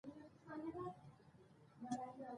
انار د افغانستان د بڼوالۍ برخه ده.